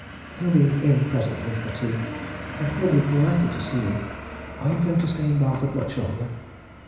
He'll be in presently to tea and he'll be delighted to see you. Are you going to stay in Barford much longer?"